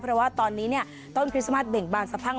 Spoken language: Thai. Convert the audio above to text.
เพราะว่าตอนนี้เนี่ยต้นคริสต์มาทเบ่งบานสักพัง